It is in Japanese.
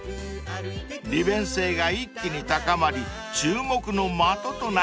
［利便性が一気に高まり注目の的となっています］